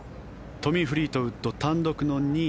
トミー・フリートウッド単独の２位。